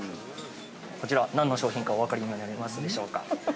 こちら、何の商品かお分かりになりますでしょうか。